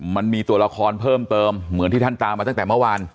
มันมีตัวละครเพิ่มเติมเหมือนที่ท่านตามมาตั้งแต่เมื่อวาน